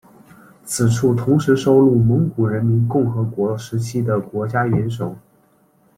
此处同时收录蒙古人民共和国时期的国家元首。